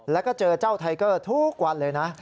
แล้วก็เจอเจ้าไทเกอร์ทุกวันเลยนะ